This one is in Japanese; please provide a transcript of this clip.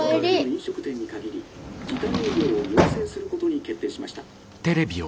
「飲食店に限り時短営業を要請することに決定しました。